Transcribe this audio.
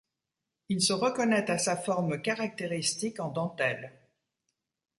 Il se reconnait à sa forme caractéristique en dentelles.